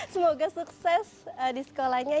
semoga sukses di sekolahnya